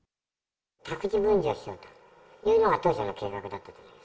宅地分譲をしようというのが、当初の計画だったと思います。